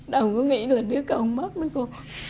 đâu có nghĩ là đứa con mất nữa cậu